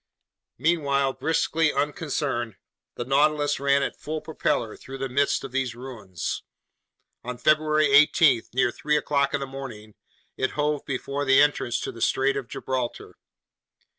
Meanwhile, briskly unconcerned, the Nautilus ran at full propeller through the midst of these ruins. On February 18, near three o'clock in the morning, it hove before the entrance to the Strait of Gibraltar.